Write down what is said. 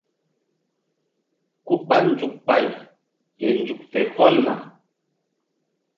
Ku ɓa nzuk pay ke nzuk fe hɔlna.